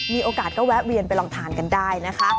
มีโอกาสก็แวะเวียนไปลองทานกันได้นะคะ